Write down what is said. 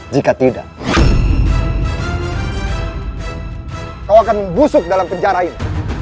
jika tidak kau akan membusuk dalam penjara ini